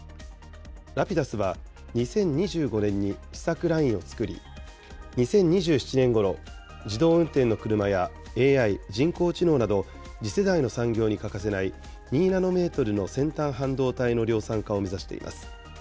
Ｒａｐｉｄｕｓは、２０２５年に試作ラインを作り、２０２７年ごろ、自動運転の車やＡＩ・人工知能など次世代の産業に欠かせない２ナノメートルの先端半導体の量産化を目指しています。